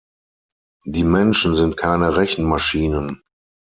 Die Menschen sind keine Rechenmaschinen.